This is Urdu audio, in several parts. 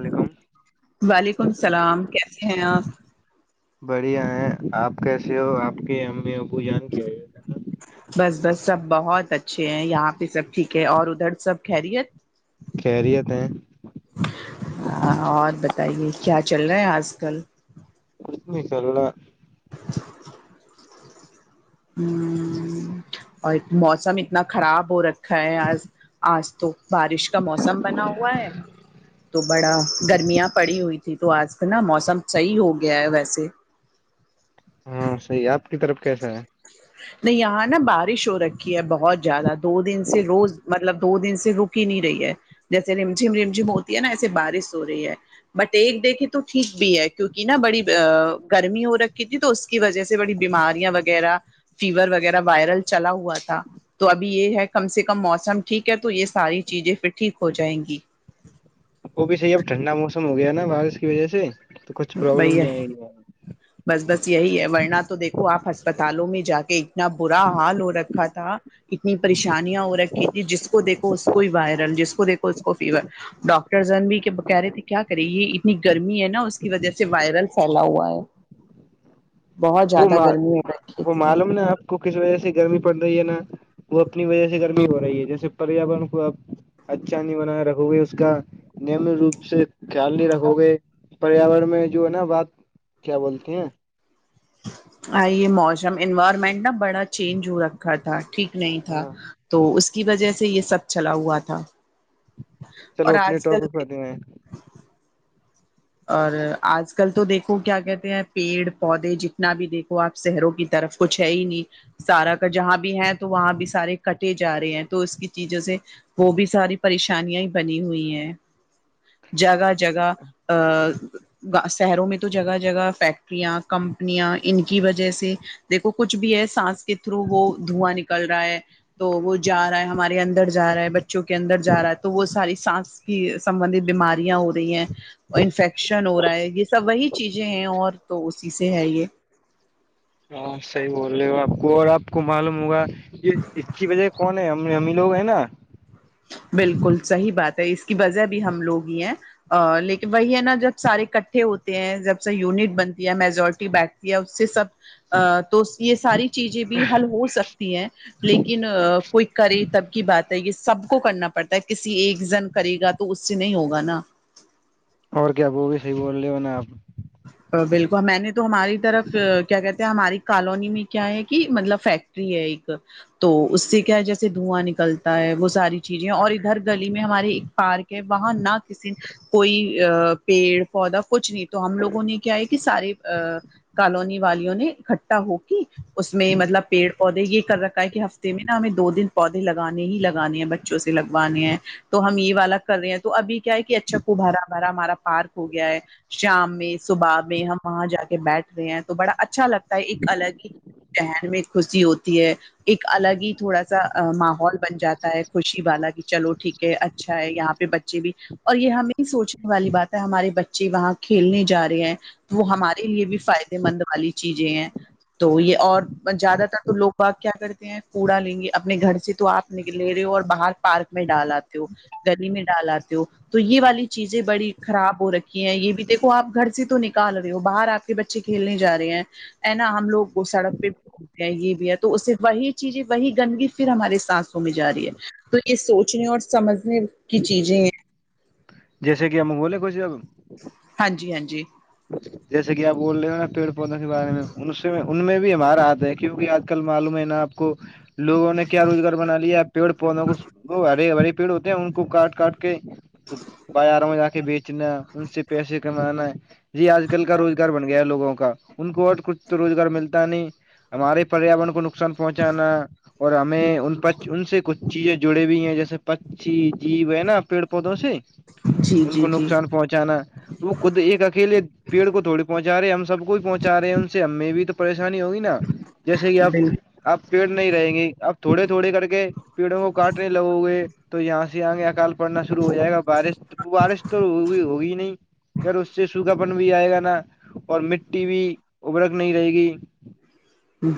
وعلیکم وعلیکم السلام کیسے ہیں آپ بڑھیا ہیں آپ کیسے ہو آپ کی امی ابو جان کیا ج بس بس سب بہت اچھے ہیں یہاں پہ سب ٹھیک ہے اور ادھر سب خیریت کیریت ہیں ہاں اور بتائیے کیا چل رہا ہے آج کل کچھ نہیں کرنا [inaudible] ہ اور موسم اتنا خراب ہو رکھا ہے آج آج تو بارش کا موسم بنا ہوا ہے تو بڑا گرمیاں پڑی ہوئیھی تھی تو آج کل نا موسم صحیح ہو گیا ہے ویسے ہاں صحیح آپ کی طرف کیسا ہے نہیں یہاں نا بارش ہو رکھی ہے بہت زیادہ دو دن سے روز مطلب دو دن سے رک ک نہیں رہی ہے جیسے رمجھم رمجم ہوتی ہے نا ایسے بارش ہو رہی ہے بٹ ایک دیکھے تو ٹھیک بھی ہے کیونکہ نا بڑی گرمی ہو رکھی تھی تو اس کی وجہ سے بڑی بیماریاں وغیرہ فیور وغیرہ وائرل چلا ہوا تھا تو ابھی یہ ہے کم سے کم موسم ٹھیک ہے تو یہ ساری چیزیں پھر ٹھیک ہو جائیں گی وہ بھی صحیح اب ٹھنڈا موسم ہو گیا نا بارش کی وجہ سے تو کچھ پروابلم بھیا نہیں آئی گی بس بس یہی ہے ورننا تو دیکھو آپ اسسپتالوں میں جا کے اتنا برا حال ہو رکھا تھا اتنی پریشانیاں ہو رکھی تھی جس کو دیکھو اس کو ہی وائرل جس کو دیکھو اس کو فیور ڈاکٹرزن بھی کہ کہہ رہے تھے کیا کرے یہ اتنی گرمی ہے نا اس کی وجہ سے وائرل پھیلا ہوا ہے بہت وہ زیادہ گرمی ہو رکھی وہ تھی معلوم نا آپ کو کس وجہ سے گرمی پڑ رہی ہے نا وہ اپنی وجہ سے گرمی ہو رہی ہے جیسے پریاورن کو اب اچھا نہیں بنا رکھوے اس کا نن روپ سے خیال نہیں رکھو گے پریاورن میں جو ہے نا بات کیا بولتے ہیں آے موسم انوائرمنٹ نا بڑا چینج ہو رکھا تھا ٹھیک نہیں تھا ہاں تو اس کی وجہ سے یہ سب چلا ہوا تھا چلو اور اپنے آج ٹاپک کل پر دی میں اور آج کل تو دیکھو کیا کہتے ہیں پیڑ پودے جتنا بھی دیکھو آپ شہروں کی طرف کچھ ہے ہی نہیں سارا کا جہاں بھی ہے تو وہاں بھی سارے کٹےج جا رہے ہیں تو اس کی چیزوں سے وہ بھی ساری پریشانیاں بنی ہوئی ہیں جگہ جگہ ا شہروں میں تو جگہ جگہ فیکٹریاں کمپنیاں ان کی وجہ سے دیکو کچھ بھی ہے سانس کے تھرو وہ دھواں نکل رہا ہے تو وہ جا رہا ہے ہمارے اندر جا رہا ہے بچوں کے اندر جا رہا ہے تو وہ ساری سانس کی سبھت بیماریاں ہو رہی ہیں انفیکشن ہو رہا ہے یہ سب وہی چیزیں ہیں اور تو اسی سے ہے یہ ہاں صحیح بول رہے ہو آپ کو اور آپ کو معلوم ہوگا یہ اس کی وجہ کون ہے ہم ہم ہی لوگ ہیں نا بالکل صحیح بات ہے اس کی وجہ بھی ہم لوگ ہی ہیں لیکن وہی ہے نا جب سارے اٹھے ہوتے ہیں جب سے یونٹ بنتی ہے میجورٹی بیٹھتی ہے اس سے سب تو یہ ساری چیزیں بھی حل ہو سکتی ہیں لیکن کوئی کرے تب کی بات ہے یہ سب کو کرنا پڑتا ہے کسی ایک جن کرے گا تو اس سے نہیں ہوگا نا اور کیا وہ بھی صحی بول رہے ہو نا آپ بالکل میں نے تو ہماری طرف کیا کہتے ہیں ہماری کالونی میں کیا ہے کہ مطلب فیکٹری ہے ایک تو اس سے کیا ہے جیسے دھواں نکلتا ہے وہ ساری چیزیں اور ادھر گلی میں ہمارے ایک پارک وہاں نہ کسی کوئی پیڑ پودا کچھ نہیں تو ہم لوگوں نے کیا ہے کہ سارے کالونی والیوں نے اکٹھا ہوک اس میں مطلب پیڑ پودے یہ کر رکھا ہے کہ ہفتے میں نا ہمیں دو دن پودے لگانے ہی لگانے ہیں بچوں سے لگوانے ہیں تو ہم یہ والا کر رہے ہیں تو ابھی کیا ہے کہ اچھا کو بھرا بھرا ہمارا پارک ہو گیا ہے شام میں صبح میں ہم وہاں جا کے بیٹھ رہے ہیں تو بڑا اچھا لگتا ایک الگ ہی ذہن میں خوشی ہوتی ہے ایک الگ ہی تھوڑا سا ماحول بن جاتا ہے خوشی والا بھی چلو ٹھیک ہے اچھا ہے یہاں پہ بچے بھی اور یہ ہمیں سوچنے والی بات ہے ہمارے بچے وہاں کھیلنے جا رہے ہیں وہ ہمارے لیے بھی فائدے مند والی چیزیں ہیں تو یہ اور زیادہ تر تو لوگ آپ کیا کرتے ہیں کوڑا لیں گے اپنے گھر سے تو آپ نک لے رہی ہو اور باہر پارک میں ڈالاتتی ہو گلی میں ڈالاتتے ہو تو یہ والی چیزیں بڑی خراب ہو رکھی ہیں یہ بھی دیکھ وہ آپ گھر سے تو نکال رہے ہو باہر آپ کے بچے کھیلنے جا رہے ہیں ا نا ہم لوگ سڑک پہ یہ بھی ہے تو اس سے وہی چیز ہے وہی گندگی پھر ہمارے سانسوں میں ج رہی ہے تو یہ سوچنے اور سمجھنے کی چیزیں ہیں جیسے کہ ہم بولے کوھ اب ہاں جی ہاں جی اچ جیسے کہ آپ بول رہے ہو نا پیڑ پودوں کے بارے میں ان ان میں بھی ہمارا ہاتھ ہے کیونکہ آج کل معلوم ہے نا آ کو لووں نے کیا روزگار بنا لیا ہے پیڑ پودوں کو ہرے ہرے پیڑ ہوتے ہیں ان کو کاٹ کاٹ کے تو بازاروں میں جا کے بیچنا ان سے پیسے کمانا یہ آج کل کا روزگار بن گیا لگوں کا ان کو اور کچھ تو روزگار ملتا نہیں ہمارے پریاورن کو ان نقصان پہنچانا اور ہمیں ان ان سے کچھ چیزیں جڑے بھی ہیں جیسے پچی جیب ہے ن پیڑ پودا سے جی ان جی کو جی نقصان پہنچانا وہ خود ایک اکیلے پیڑ کو تھوڑی پہنچا رہے ہم سب کو بھی پہنچا رہے ہیں ان سے ہمیں بھی تو پریشانی ہوگی نا جیسے کہ آپ بالکل آپ پیڑ نہیں رہیں گے اپ تھوڑے تھوڑے کر کے پیڑوں کو کاٹنے لگو گے تو یہاں سے آ گے اکال پڑنا شروع ہو جائے گا بارش بارش تو ہوئی ہوگی نہیں پھر اس سے سوکھا ن بھی آئے گا نا اور مٹی بھی ابرک نہیں رہے گی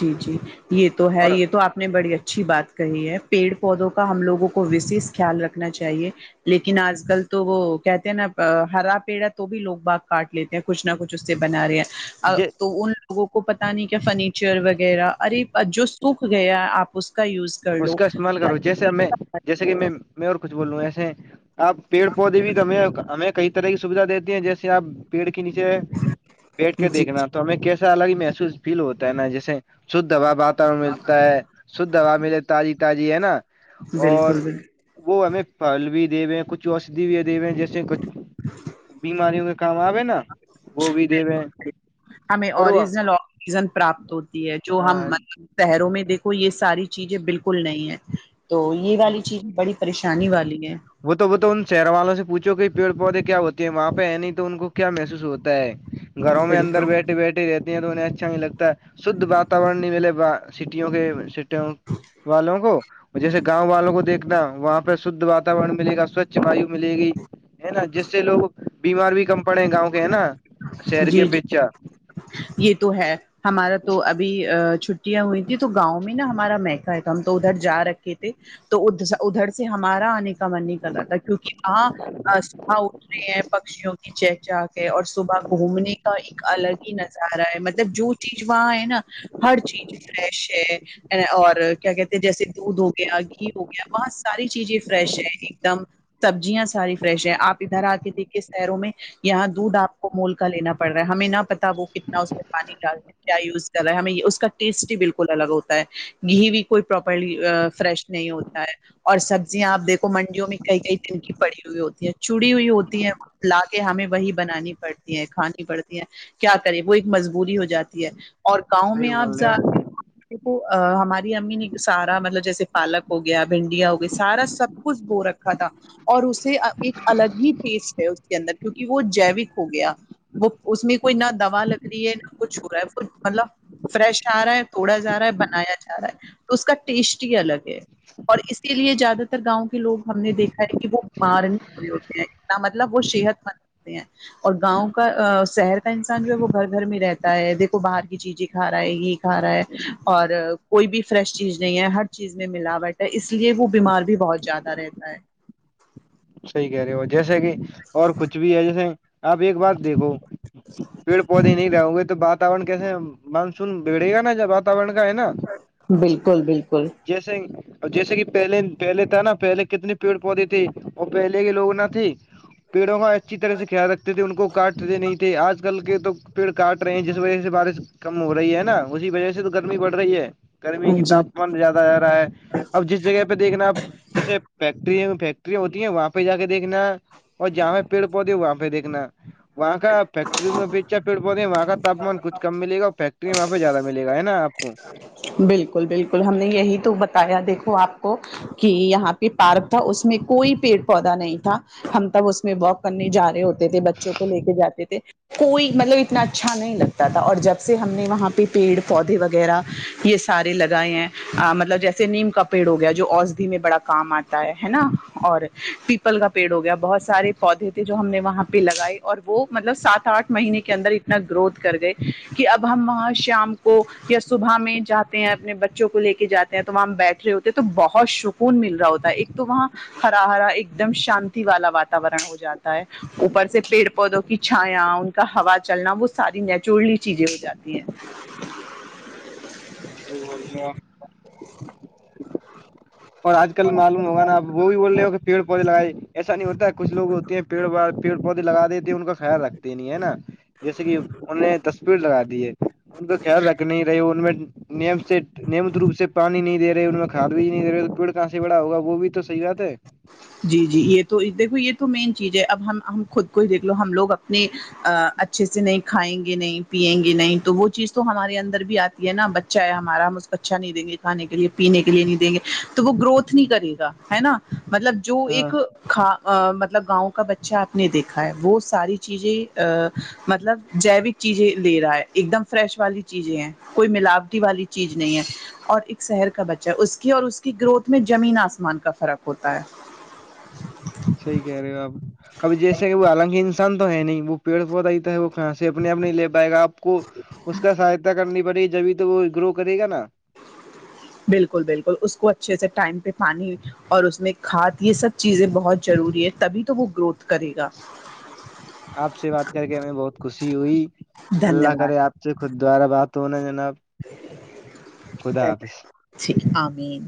جی جی یہ تو ہے اور یہ تو آپ نے بڑی اچھی بات کہی ہے پیڑ پودوں کا ہم لوگوں کو وشش خیال رکھنا چاہیے لیکن آج کل تو وہ کہتے ہیں نا ہرا پیڑا تو بھی لوگ باغ کاٹ لیتے ہیں کچھ نہ کچھ اس سے بنا رہے ہیں تو ان لوگوں کو پتا نہیں کیا فرنیچر وغیرہ ارے جو سوکھ گیا آپ اس کا یوز کر اس لو کا استعمال کرو جیسے ہم میں جیسے کہ میں میں اور کچھ بول رہوں ہ ایسے آپ پیڑ پودے بھی تویں ہمیں کئی طرح کی سویدھا دیتی ہیں جیسے آپ پیڑ کے نیچے بیٹھ کے جی دیکھنا تو ہمیں کیسا الگ ہی محسوس فیل ہوتا ہے نا جیسے شدھ دباابات ملتا ہے شھ دوا ملے تازی تازی ہے نا اور بالکل بالکل وہ ہمیں پھل بھی دیے ہوے ہیں کچھ اوشدھی بھی دے ہوے ہیں جیسے اس سے کچھ بیماریوں کے کام آب نا وہ بھی دے دے بالکل ہمیں اوریجنل آکسیجن پراپت ہوتی ہے جو ہم وہ شہروں میں دیکھو یہ ساری چیزیں بالکل نہیں ہے تو یہ والی چیز بڑی پریشانی والی ہے وہ تو وہ تو ان شہر والوں سے پوچھو کہ پیڑ پودے کیا ہوتے ہیں وہاں پہ ہے نہیں ان کو کیا محسوس ہوتا ہے گھروں میں اندر بالکل بیٹھی بیٹھی رہتی ہیں تو انہیں اچھا نہیں لگتا شھ واتورن نہیں ملے سٹیوں کے سٹیوں والوں کو جیے گاؤں والوں کو دھنا وہاں پہ شدھ واورن ملے گ سوچھ وایو ملے گی ہے نا جس سے لوگ بیمار بھی کم پڑے ہیں گاؤں کے ہے نا شر کے جی جی پچا یہ تو ہے ہمارا تو ابھی چھٹیاں ہوئی تھیں تو گاؤں میں نا ہمارا مہکا ہے تو ہم تو ادھر جا رکھے تھے تو ادھر ادھر سے ہمارا آنے کا من نہیں کر رہا تھا کیونکہ آ وہاں اٹ رہے ہیں پکشیوں کی چہ چا کے ہے اور صبح گھومنے کا ایک الگ ہی نظر آ رہا ہے مطلب جو چیز وہاں ہے نا ہر چیز فریش ہے اور کیا کہتے ہیں جیسے دودھ ہو گیا گھی ہو گیا وہاں ساری چیزیں فریش ہے ایک دم سبزیاں ساری فریش ہے آپ ادھر آ کے دیکھ کے شہروں میں یہاں دودھ آپ کو مول کا لینا پڑ رہا ہے ہمیں نہ پتا وہ کتنا اس میں پانی ڈالتے ہیں کیا یوز کر رہا ہے ہمیں اس کا ٹیسٹ ہی بالکل الگ ہوتا ہے گھی بھی کوئی پراپرلی فریش نہیں ہوتا ہے اور سبزیاں آپیکھو منڈیوں میں کئی کئی دن کی پڑی ہوئی ہوتی ہیں چوڑی ہوئی ہوتی ہیں لا کے ہمیں وہی بنانی پڑتی ہے کھانی پڑتی ہے کیا کریں وہ ایک مجبوری ہو جاتی ہے اور گاؤں میں صحیح بول آپ رہے ہو تو ہماری امی نے سارا مطلب جیسے پالک ہو گیا بھنڈیاں ہو گیا سارا سب کچھ بو رکھا تھا اور اسے ایک الگ ہی ٹیسٹ ہے اس کے اندر کیونکہ وہ جیوک ہو گیا وہ اس میں کوئی نہ دوا لگ رہی ہے نہ کچھ ہو رہا ہے مطلب فریش آ رہا ہے توڑا جا رہا ہے بنایا جا رہا ہے تو اس کا ٹیسٹ ہی الگ ہے اور اس کے لیے زیادہ تر گاؤں کے لوگ ہم نے دیکھا ہے کہ وہ بیمار نہیں پے ہوتے ہیں مطلب وہ صحت مند رہتے ہیں اور گاؤں کا شہر کا انسان جو ہے وہ گھر گھر میں رہتا ہے دیکھو باہر کی چیزیں کھا رہا ہے یہ کھا رہا ہے اور کوئی بھی فریش چیز نہیں ہے ہر چیز میں ملاوٹ ہے اس لیے وہ بیمار بھی بہت زیادہ رہتا ہے صحی کہہ رہے ہو جیسے کہ اور کچھ بھی ہے جیسے آپ ایک بار دیکھو پیڑ پودے نہیں رہ گے تو بات واتورن کیسے مانسون بگڑے گا نا ج واتورن کا ہے نا بالکل بالکل جیسے جیسے کہ پہلے پہلے تھا نا پہلے کتنی پیڑ پودے تھی اور پہلے کے لوگ نہ تھے پیڑوں کا اچھی طرح سے خیال رکھتے تھے ان کو کاٹتے نہیں تھے آج کل کے تو پیڑ کاٹ رہے ہیں جس وجہ سے بارش کم ہو رہی ہے نا اسی وجہ سے تو گرمی بڑھ رہی ہے گرمی ہاں کی جی تاپمان زیادہ آ رہا ہے اب جس جگہ پہ پ دیکھنا آپ جیسے فیکٹری میں فیکٹرییاں ہوتی وہاں پہ جا کے دیکھنا اور جہاں پیڑ پودے وہاں پہ دیکھنا وہاں کاا فیکٹری بیچا پڑ پتے وہاں کا تامان کھ کم ملےا اور فیکٹری میں وہاںہ زیادہ ملے گا نا آپ کو بالکل بالکل ہم نے یہی تو بتایا دیکھو آپ کو کہ یہاں پارک تھا اس میں کوئی پیڑ پودا نہیں تھا ہم تب اس میں واک کرنے جا رہے ہوتے تھے بچوں کو لے کے جاتے تھے کوئی مطلب اتنا اچھا نہیں لگتا تھا اور جب سے ہم نے وہاں پہ پیڑ پودے وغیرہ یہ سارے لگائے ہیں مطلب جیسے نیم کا پیڑ ہو گیا جو اوسدھی میں بڑا کام آتا ہے نا اور پیپل کا پیڑ ہو گیا بہت سارے پودے تھے جو ہم نے وہاں پہ لگائے اور وہ مطلب سات آٹھ مہینے کے اندر اتنا گروتھ کر گئے کہ اب ہم وہاں شام کو س جاتے ہیں اپنے بچوں کو لے کے جاتے ہیں تو وہاں بیٹھ رہے ہوتے ہیں تو بہت سکون مل رہا ہوتا ہے ایک تو وہاں ہرا ہرا ایک دم شانتی والا واتورن ہو جاتا اوپر سے پیڑ پودوں کی چھایا ان کا ہوا چلنا وہ ساری نیچورلی چیزیں ہو جاتی ہیں یہ بول چ آ [inaudible] اور آج کل معلوم ہوگا آپ وہ بھی بول رہے ہو کہ پڑ پودے لگائے ایسا نہیں ہوتا ہے کچھ لو ہوتے ہیں پیڑ پڑودے لگا دیتے ہیں ان کا خیال رکھ نہیں ہے نا جیسے کہ انوں نے تصویر لگا دی ہے ان کا خیال رکھنی رہی ان میں نیم سے نیمت روپ سے پانی نہیں د رہے ان میں کاد بھی نہیں دے رہے پیڑ کہاں سے بڑا ہوگا وہ بھی تو صحی بات ہے جی جی یہ تو دیکھو یہ تو مین چیز ہے اب ہم ہم خود کو ہی دیکھ لو ہم لوگ اپنے اچھے سے نہیں کھائیں گے نہیں پیئیں گے نہیں تو وہ چیز تو ہمارے اندر بھی آتی یہ نا بچہ ہے ہمارا ہم اس کو اچھا نہیں دیں گے کھانے کے لیے پینے کے لیے نہیں دیں گے تو وہ گروتھ نہیں کرے گا ہے نا مطلب جو ہاں ایک ک مطلب گاؤں کا بچہ آپ نے دیکھا ہے وہ ساری چیزیں ا مطلب جیوک چیزیں لے رہا ہے ایک دم فریش والی چیزیں ہیں کوئی ملاوٹی والی چیز نہیں ہے اور ایک شہر کا بچہ ہے اس کی اور اس کی گروتھ میں جمین آسمان کا فرق ہوتا ہے سی کہہ رہی ہو آپ اب جیسے کہ وہ آالنکین پان تو ہے نہیں وہ پیڑ پودہ آتا ہے وہ کھانسی اپنے آپ نہیں لے پائے گا آپ آپ کو اس کا سہایتا کرنی پڑے گی جبھی تو وہ گرو کرے گا نا بالکل بالکل اس کو اچھے سے ٹائم پہ پانی اور اس میں کھاد یہ سب چیزیں بہت ضروری ہے تبھی تو وہ گروتھ کرے گا آپ سے بات کر کے ہمیں بہت خوشی ہوئی دھنیہ اللہ کری واد آپ سے خ دوارا بات ہو ن جناب خدا دھن آس امین